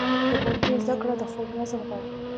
د پوهنتون زده کړه د خوب نظم غواړي.